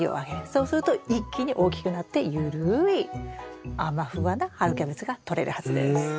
そうすると一気に大きくなってゆるいあま・フワな春キャベツがとれるはずです。